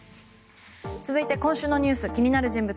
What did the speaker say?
続いて、今週のニュース気になる人物